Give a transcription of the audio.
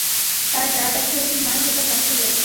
তার যা দেখা উচিত নয় সেটার সাক্ষী হয়েছে।